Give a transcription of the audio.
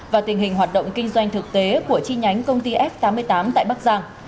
và tình hình hoạt động kinh doanh thực tế của chi nhánh công ty f tám mươi tám tại bắc giang